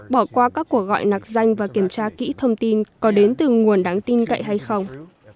bỏ qua các cuộc gọi nạc danh và kiểm tra kỹ thông tin có đến từ nguồn đáng tin cậy hay không